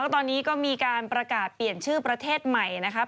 ตอนนี้ก็มีการประกาศเปลี่ยนชื่อประเทศใหม่นะครับ